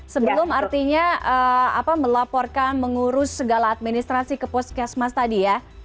sebelum artinya melaporkan mengurus segala administrasi ke puskesmas tadi ya